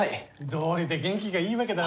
道理で元気がいいわけだ。